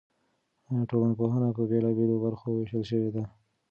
ټولنپوهنه په بېلابېلو برخو ویشل شوې ده.